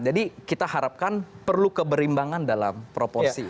jadi kita harapkan perlu keberimbangan dalam proporsi